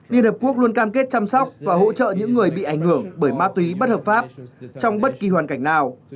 liên hợp quốc luôn cam kết chăm sóc và hỗ trợ những người bị ảnh hưởng bởi ma túy bất hợp pháp trong bất kỳ hoàn cảnh nào